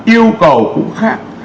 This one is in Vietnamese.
yêu cầu cũng khác